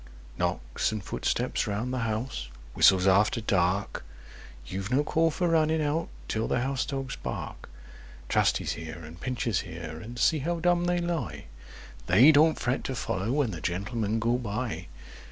Knocks and footsteps round the house—whistles after dark— You've no call for running out till the house dogs bark. Trusty's here, and Pincher's here, and see how dumb they lie— They don't fret to follow when the Gentlemen go by!